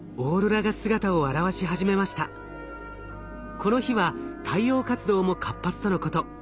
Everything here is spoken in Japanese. この日は太陽活動も活発とのこと。